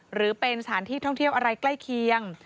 หรือเป็นสถานที่ท่องเที่ยวอะไรใกล้เคียง